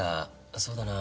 そうだな。